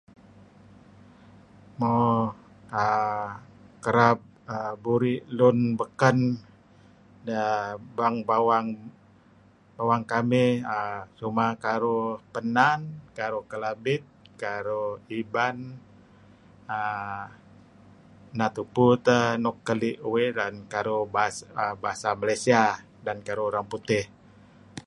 Mo err kereb buri' lun beken yea bang bawang kamih err cuma karuh Penan, karuh Kelabit, karuh Iban err neh tupu teh nuk keli' uih, dan karuh Bahasa Malaysia dan karuh Urang Putih.